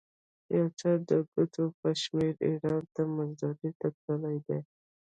یو څو د ګوتو په شمېر ایران ته مزدورۍ ته تللي دي.